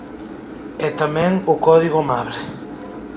E tamén o Código Amable.